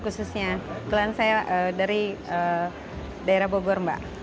khususnya kebetulan saya dari daerah bogor mbak